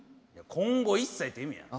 今後一切っていう意味や。